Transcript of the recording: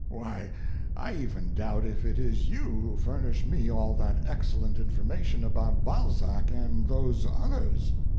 Why, I even doubt if it is you who furnish me all that excellent information about Balzac and those others.